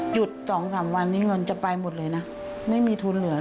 หยุด๒๓วันมีเงินจะไปหมดเลยนะไม่มีทุนเหลือเลย